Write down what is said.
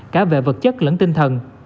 cả về vật chất lẫn tinh thần